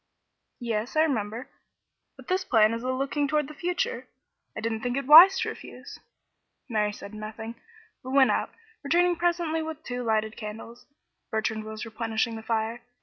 "Yes, I remember; but this plan is a looking toward the future. I didn't think it wise to refuse." Mary said nothing, but went out, returning presently with two lighted candles. Bertrand was replenishing the fire.